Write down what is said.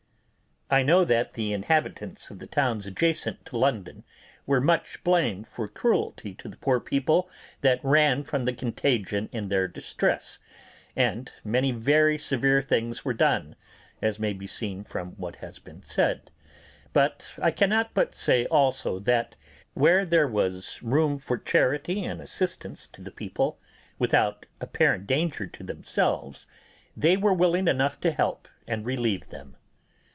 I know that the inhabitants of the towns adjacent to London were much blamed for cruelty to the poor people that ran from the contagion in their distress, and many very severe things were done, as may be seen from what has been said; but I cannot but say also that, where there was room for charity and assistance to the people, without apparent danger to themselves, they were willing enough to help and relieve them.